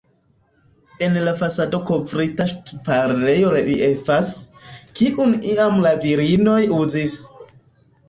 En la fasado kovrita ŝtuparejo reliefas, kiun iam la virinoj uzis.